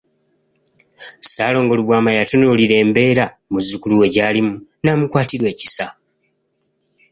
Ssaalongo Lubwama yatunuulira embeera muzzukulu we gy'alimu n'amukwatirwa ekisa.